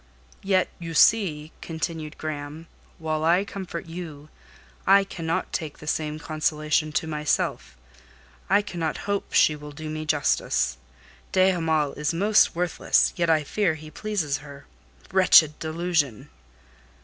"Yet, you see," continued Graham, "while I comfort you, I cannot take the same consolation to myself; I cannot hope she will do me justice. De Hamal is most worthless, yet I fear he pleases her: wretched delusion!"